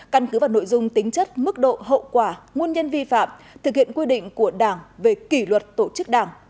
căn cứ vào nội dung tính chất mức độ hậu quả nguồn nhân vi phạm thực hiện quy định của đảng về kỷ luật tổ chức đảng